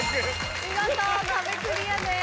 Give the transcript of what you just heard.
見事壁クリアです。